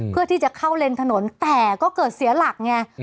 เพื่อที่จะเข้าเลนถนนแต่ก็เกิดเสียหลักไง